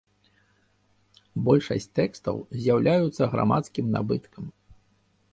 Большасць тэкстаў з'яўляюцца грамадскім набыткам.